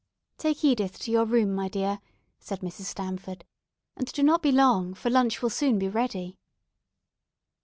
"Take Edith to your room, my dear," said Mrs. Stamford, "and do not be long, for lunch will soon be ready."